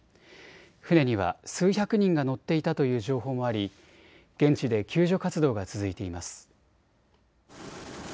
船には数百人が乗っていたという情報もあり現地で救助活動が続いています。